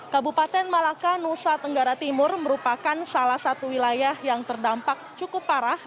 kabupaten malaka nusa tenggara timur merupakan salah satu wilayah yang terdampak cukup parah